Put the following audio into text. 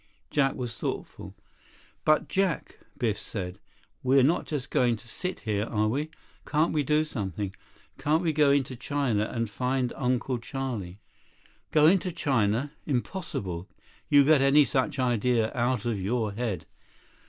Jack was thoughtful. "But Jack," Biff said, "we're not just going to sit here, are we? Can't we do something? Can't we go into China and find Uncle Charlie?" "Go into China? Impossible. You get any such idea out of your head."